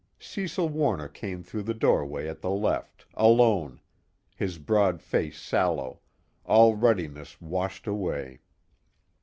Cecil Warner came through the doorway at the left, alone, his broad face sallow, all ruddiness washed away.